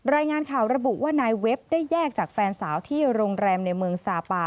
รายงานข่าวระบุว่านายเว็บได้แยกจากแฟนสาวที่โรงแรมในเมืองซาปา